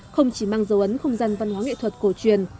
không chỉ mang dấu ấn không gian văn hóa nghệ thuật cổ truyền